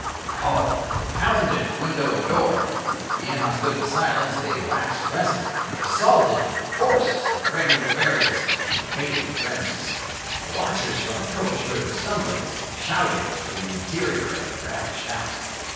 They called; they pounded at window and door. At the inhospitable silence they waxed restive; they assaulted and forced the pregnable barriers, and invaded the premises. The watchers from the coach heard stumblings and shoutings from the interior of the ravaged house.